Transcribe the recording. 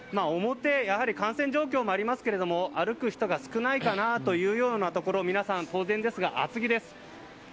表、やはり感染状況もありますが歩く人が少ないかなというようなところ皆さん、当然ですが厚着です。